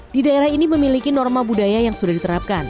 di daerah ini memiliki norma budaya yang sudah diterapkan